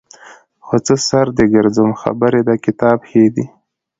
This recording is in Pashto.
خو څه سر دې ګرځوم خبرې د کتاب ښې دي.